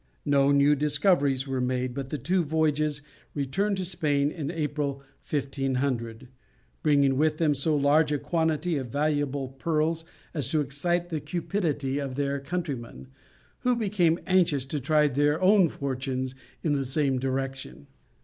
No new discoveries were made, but the two voyagers returned to Spain in April, 1500, bringing with them so large a quantity of valuable pearls as to excite the cupidity of their countrymen, who became anxious to try their own fortunes in the same direction.